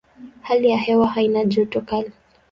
Hali ya hewa haina joto kali.